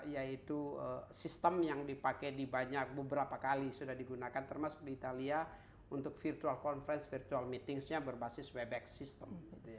yaitu sistem yang dipakai di banyak beberapa kali sudah digunakan termasuk di italia untuk virtual conference virtual meetings nya berbasis webex system